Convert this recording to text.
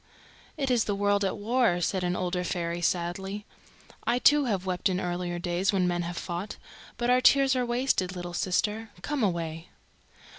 "It is the world at war," said an older fairy sadly. "I too have wept in earlier days when men have fought. But our tears are wasted, little sister. Come away."